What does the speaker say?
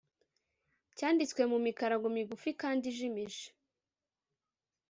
cyanditswe mu mikarago migufi kandi ijimije,